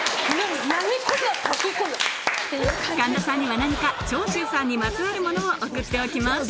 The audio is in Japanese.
神田さんには何か長州さんにまつわるものを送っておきます